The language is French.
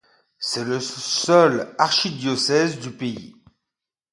C'est le seul archidiocèse du pays.